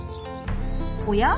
おや？